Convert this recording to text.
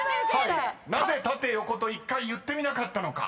［なぜ「たてよこ」と１回言ってみなかったのか？］